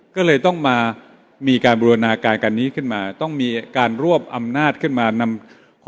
ก็เลยต้องมามีการบูรณาการกันนี้ขึ้นมาต้องมีการรวบอำนาจขึ้นมานำ